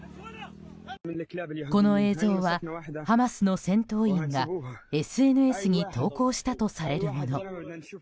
この映像はハマスの戦闘員がＳＮＳに投稿したとされるもの。